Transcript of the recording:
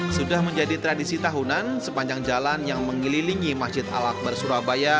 sudah menjadi tradisi tahunan sepanjang jalan yang mengelilingi masjid al akbar surabaya